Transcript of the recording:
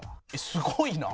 すごいな。